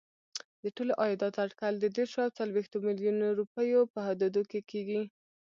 د ټولو عایداتو اټکل د دېرشو او څلوېښتو میلیونو روپیو په حدودو کې کېږي.